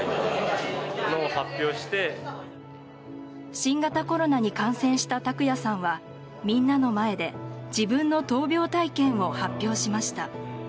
新型コロナに感染した拓也さんはみんなの前で自分の闘病体験を発表しました。